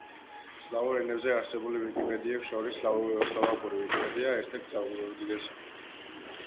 სლავურ ენებზე არსებულ ვიკიპედიებს შორის სლოვაკური ვიკიპედია ერთ-ერთი უდიდესია.